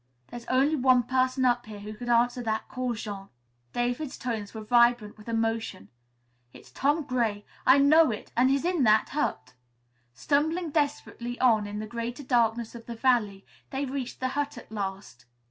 "There's only one person up here who could answer that call, Jean." David's tones were vibrant with emotion. "It's Tom Gray! I know it, and he's in that hut." Stumbling desperately on in the greater darkness of the valley, they reached the hut at last.